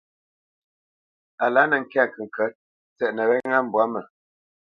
A lǎ nə̄ ŋkɛ̂t ŋkəŋkə̌t, tsɛʼnə wɛ́ ŋá mbwǎ mə.